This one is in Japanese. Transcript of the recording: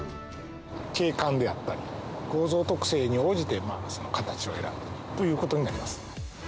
景観であったり構造特性に応じて形を選んでいるということになります。